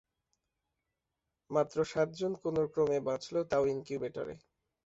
মাত্র সাতজন কোনোক্রমে বাঁচল, তাও ইনকিউবেটরে।